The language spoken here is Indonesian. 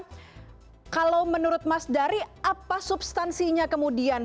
dan kalau menurut mas dari apa substansinya kemudian